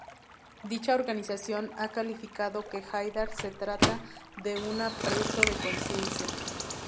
Dicha organización ha calificado que Haidar se trata de una preso de conciencia.